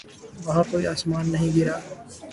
وہاں کوئی آسمان نہیں گرا۔